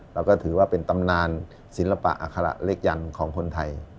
เราก็ถือว่าเป็นตำนานศิลปะอัคระเลขยันต์ของคนไทย